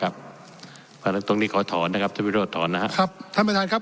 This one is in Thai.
เพราะฉะนั้นตรงนี้ขอถอนนะครับท่านวิโรธถอนนะครับครับท่านประธานครับ